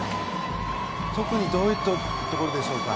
特にどういったところでしょうか。